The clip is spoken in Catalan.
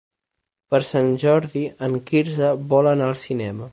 Per Sant Jordi en Quirze vol anar al cinema.